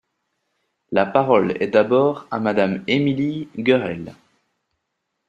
La parole est d’abord à Madame Émilie Guerel.